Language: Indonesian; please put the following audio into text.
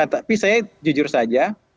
tapi saya jujur saja